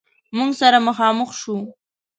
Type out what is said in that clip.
موږ سره مخامخ شو.